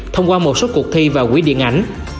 thông qua một số cuộc thi và quỹ điện ảnh